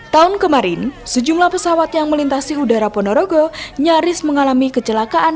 tahun kemarin sejumlah pesawat yang melintasi udara ponorogo nyaris mengalami kecelakaan